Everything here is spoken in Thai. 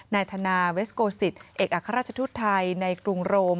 นายธนาเวสโกสิตเอกอัครราชทูตไทยในกรุงโรม